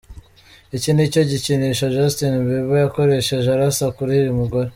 Iki nicyo gikinisho Justin Bieber yakoresheje arasa kuri uyu mugore.